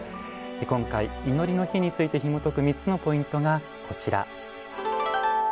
今回、「祈りの火」についてひもとく３つのポイントがこちら。